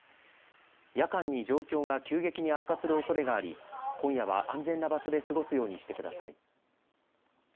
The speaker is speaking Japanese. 夜間に状況が急激に悪化するおそれがあり今夜は安全な場所で過ごすようにしてください。